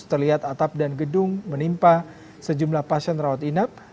terlihat atap dan gedung menimpa sejumlah pasien rawat inap